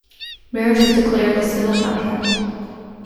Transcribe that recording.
Marriage was declared a civil contract.